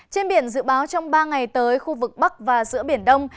trên biển dự báo trong ba ngày tới khu vực bắc và giữa biển đông